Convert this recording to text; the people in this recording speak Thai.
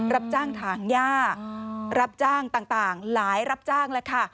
รับจ้างถางย่ารับจ้างต่างหลายรับจ้างแล้วค่ะ